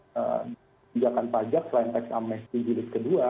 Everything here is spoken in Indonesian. kebijakan pajak selain tax amnesty jilid ke dua